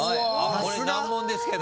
これ難問ですけど。